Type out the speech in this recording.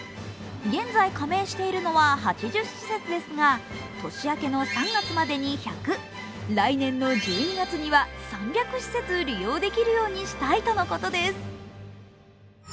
現在加盟しているのは８０施設ですが、年明けの３月までに１００来年の１２月には３００施設利用できるようにしたいということです。